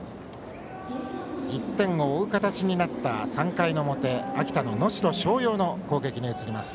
１点を追う形になった３回の表秋田の能代松陽の攻撃に移ります。